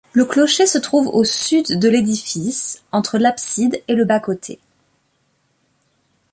Le clocher se trouve au sud de l'édifice entre l'abside et le bas-côté.